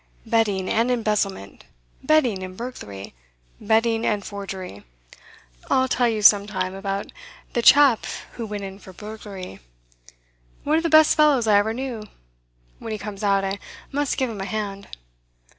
Betting and embezzlement; betting and burglary; betting and forgery. I'll tell you some time about the chap who went in for burglary. One of the best fellows I ever knew; when he comes out, I must give him a hand.